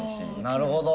なるほど。